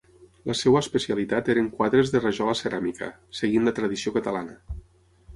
La seva especialitat eren quadres de rajola ceràmica, seguint la tradició catalana.